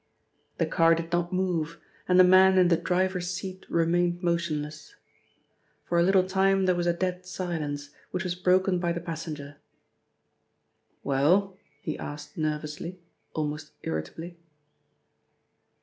The car did not move, and the man in the driver's seat remained motionless. For a little time there was a dead silence, which was broken by the passenger. "Well?" he asked nervously, almost irritably.